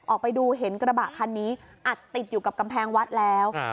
ออกไปดูเห็นกระบะคันนี้อัดติดอยู่กับกำแพงวัดแล้ว